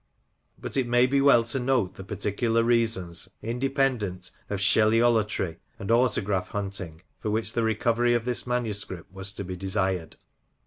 But it may be well to note the particular reasons, inde pendent of Shelleyolatry and autograph hunting, for which the recovery of this manuscript was to be desired.